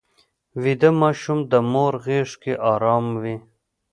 ویده ماشوم د مور غېږ کې ارام وي